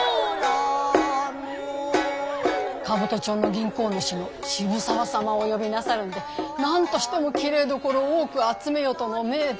兜町の銀行主の渋沢様を呼びなさるんで何としてもきれいどころを多く集めよとの命で。